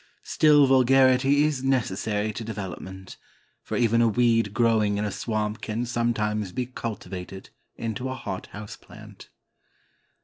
Still vulgarity is necessary to development, for even a weed growing in a swamp can sometimes be cultivated into a hot house plant.